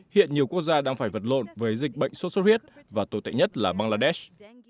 hiện nhiều quốc gia đang phải vật lộn với dịch bệnh sốt sốt huyết và tồi tệ nhất là bangladesh